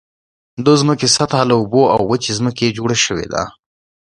د ځمکې سطحه له اوبو او وچې ځمکې جوړ شوې ده.